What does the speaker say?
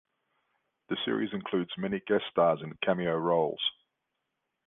The series includes many guest stars in cameo roles.